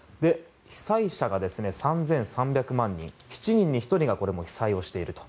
被災者が３３００万人７人に１人が被災をしていると。